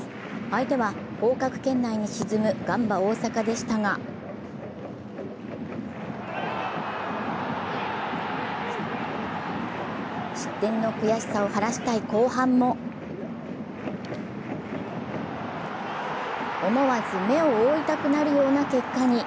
相手は降格圏内に沈むガンバ大阪でしたが失点の悔しさを晴らしたい後半も思わず目を覆いたくなるような結果に。